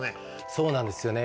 そうなんですよね